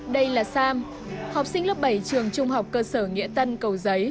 đây là sam học sinh lớp bảy trường trung học cơ sở nghĩa tân cầu giấy hà nội